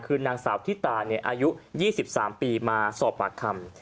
คือนางสาวที่ตาอายุ๒๓ปีมาสอบปากคำ